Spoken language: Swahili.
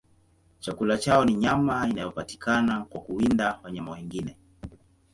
Chakula chao ni nyama inayopatikana kwa kuwinda wanyama wengine.